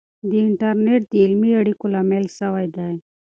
د انټرنیټ د علمي اړیکو لامل سوی دی.